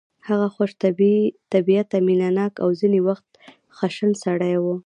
هغه خوش طبیعته مینه ناک او ځینې وخت خشن سړی و